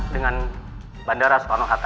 dengan bandara soekarno hatta